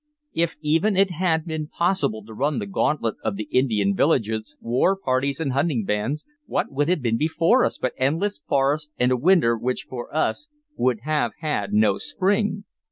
If even it had been possible to run the gauntlet of the Indian villages, war parties, and hunting bands, what would have been before us but endless forest and a winter which for us would have had no spring?